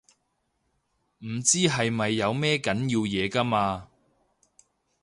唔知係咪有咩緊要嘢㗎嘛